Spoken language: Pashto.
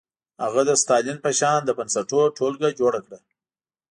هغه د ستالین په شان د بنسټونو ټولګه جوړه کړه.